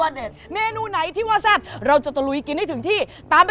โอหรือครับยานเรารับไม่ไหวละเท่าไร